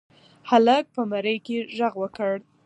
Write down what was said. هلک په مرۍ کې غږ وکړ.